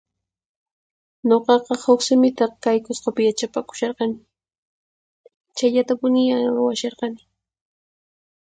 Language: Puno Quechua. Nuqaqa huq simita kay Qusqupi yachapakusharqani. Chayllatapuniyá ruwasharqani.